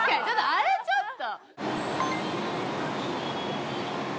あれちょっと。